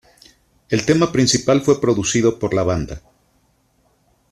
El tema principal fue producido por la banda.